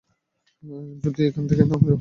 যদি এখান থেকে না যাও?